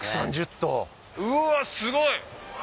うわすごい！